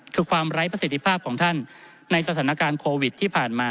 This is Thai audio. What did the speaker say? คือความไร้ประสิทธิภาพของท่านในสถานการณ์โควิดที่ผ่านมา